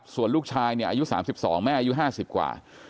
ส่วนลูกชายเนี่ยอายุ๓๒แม่อายุ๕๐กว่า